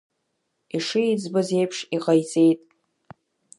Ишиӡбыз еиԥш иҟаиҵеит.